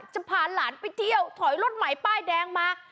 จะพาหลานไปเที่ยวถอยรถใหม่ป้ายแดงมา